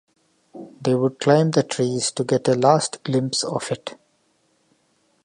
They would climb the trees to get a last glimpse of it.